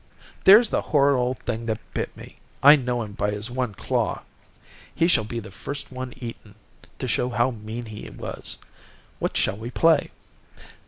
"There's the horrid old thing that bit me. I know him by his one claw." "He shall be the first one eaten to show how mean he was. What shall we play?"